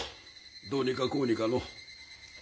どうにかこうにかの。